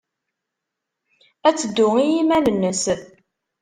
Ad teddu i yiman-nnes.